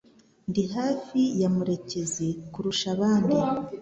Ndi hafi ya Murekezi kurusha abandi.